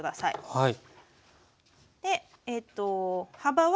はい。